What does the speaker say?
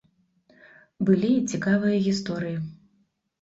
Былі і цікавыя гісторыі.